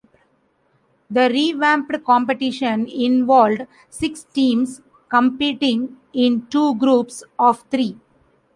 The revamped competition involved six teams competing in two groups of three.